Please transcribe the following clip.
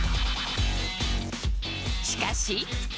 しかし。